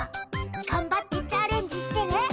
がんばってチャレンジしてね。